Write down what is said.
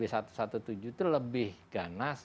itu lebih ganas